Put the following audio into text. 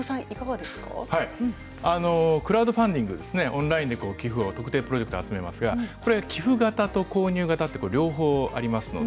クラウドファンディングオンラインで寄付を特定プロジェクトで集めますが寄付型と購入型と両方あります。